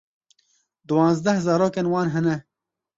Diwanzdeh zarokên wan hene.